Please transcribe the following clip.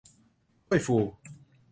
ถ้วยฟู